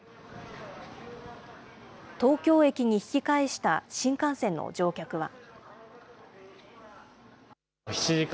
東京駅に引き返した新幹線の乗客は。